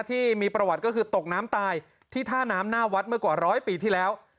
ที่มีประวัติก็คือตกน้ำตายที่ท่าน้ำหน้าวัดเมื่อกว่าร้อยปีที่แล้ว